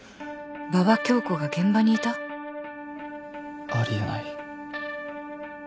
馬場恭子が現場にいた？あり得ない。